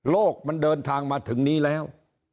มันเดินทางมาถึงนี้แล้ว